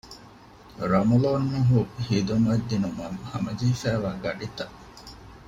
ރަމަޟާންމަހު ޚިދުމަތް ދިނުމަށް ހަމަޖެހިފައިވާ ގަޑިތައް